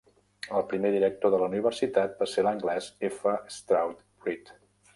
El primer director del la universitat va ser l'anglès F. Stroud Read.